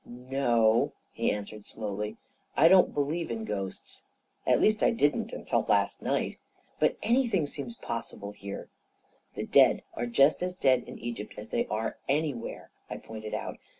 "" No," he answered slowly, " I don't believe in ghosts — at least I didn't until last night. But any thing seems possible here !"" The dead are just as dead in Egypt as they are anywhere," I pointed out.